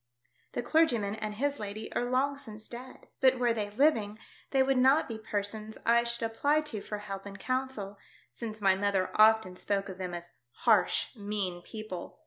The clergyman and his lady are long since dead. But were they living, they would not be persons I should apply to for help and counsel, since my mother often spoke of them as harsh, mean people.